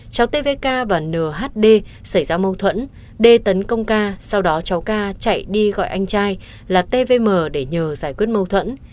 cháu tvk và nhd xảy ra mâu thuẫn d tấn công k sau đó cháu k chạy đi gọi anh trai là tvm để nhờ giải quyết mâu thuẫn